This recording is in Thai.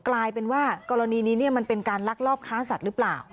กลายเป็นว่ากรณีนี้มันเป็นการลักลอบค้าสัตว์หรือเปล่า